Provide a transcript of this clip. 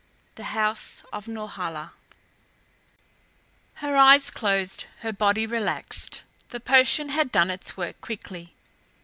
THE HOUSE OF NORHALA Her eyes closed, her body relaxed; the potion had done its work quickly.